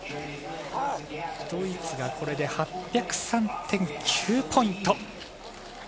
ドイツがこれで８０３．９ポイント。